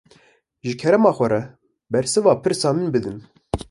Ji kerema xwe, bersiva pirsa min bidin